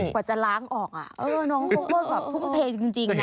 กว่าจะล้างออกน้องเขาก็แบบทุ่มเทจริงนะ